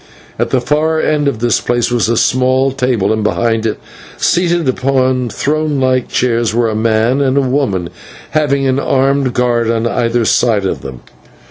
At the far end of this place was a small table, and behind it, seated upon throne like chairs, were a man and a woman, having an armed guard on either side of them.